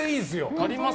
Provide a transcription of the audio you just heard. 足ります？